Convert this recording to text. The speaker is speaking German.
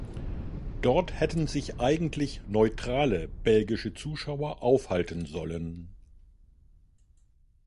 Dort hätten sich eigentlich „neutrale“, belgische Zuschauer aufhalten sollen.